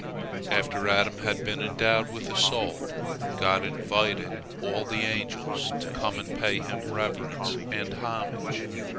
After Adam had been endowed with a soul, God invited all the angels to come and pay him reverence and homage.